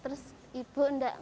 terus dari sini mau beli perhiasan